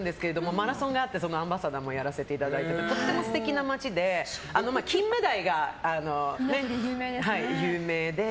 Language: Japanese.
マラソンがあってアンバサダーもやらせていただいてとても素敵な町で金目鯛が有名で。